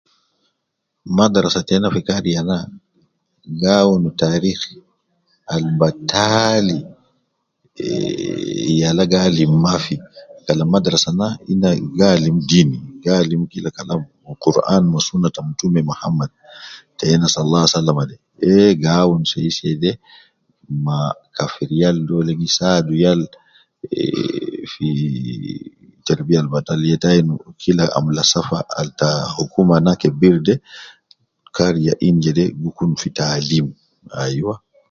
Madrasa teina fi kariya naa ga awunu tarikh Al bataal eee yala ga alim maafi falam naa gi alimu dini. awunu zaidi fi